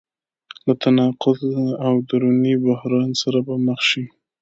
له تناقض او دروني بحران سره به مخ شي.